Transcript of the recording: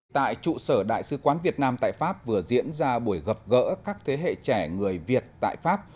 tại trụ sở đại sứ quán việt nam tại pháp vừa diễn ra buổi gặp gỡ các thế hệ trẻ người việt tại pháp